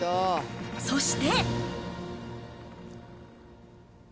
そして。